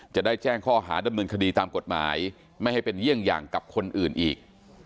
จะได้แจ้งข้อหาดำเนินคดีตามกฎหมายไม่ให้เป็นเยี่ยงอย่างกับคนอื่นอีก